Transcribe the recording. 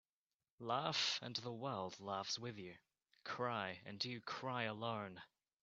Laugh and the world laughs with you. Cry and you cry alone.